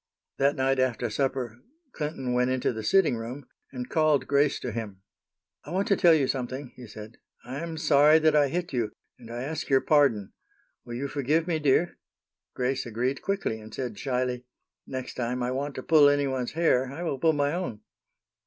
That night after supper Clinton went into the sitting room, and called Grace to him. "I want to tell you something," he said. "I am sorry that I hit you, and I ask your pardon. Will you forgive me, dear?" Grace agreed quickly, and said, shyly, "Next time I want to pull any one's hair, I will pull my own."